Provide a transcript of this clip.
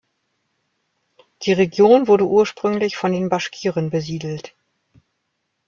Die Region wurde ursprünglich von den Baschkiren besiedelt.